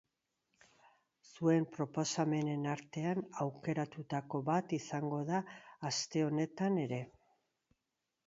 Zuen proposamenen artean aukeratutako bat izango da aste honetan ere.